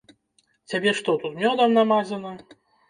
Цябе што, тут мёдам намазана?